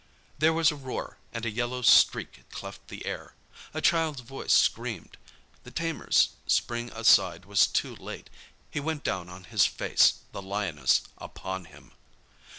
There was a roar, and a yellow streak cleft the air. A child's voice screamed. The tamer's spring aside was too late, He went down on his face, the lioness upon him.